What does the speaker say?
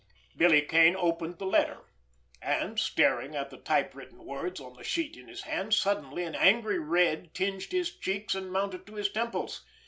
Billy Kane opened the letter—and, staring at the type written words on the sheet in his hand, suddenly an angry red tinged his cheeks and mounted to his temples.